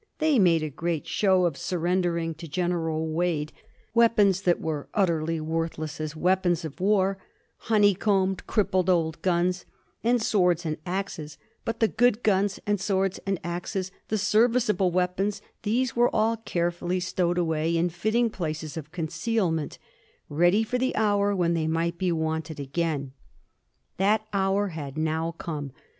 They made a great show of surrendering to Gen eral Wade weapons that were utterly worthless as weapons of war, honey combed, crippled old guns and swords and axes ; but the good guns and swords and axes, the serv^ iceable weapons, these were all carefully stowed away in fitting places of concealment, ready for the hour when they might be wanted again. That hour had now come.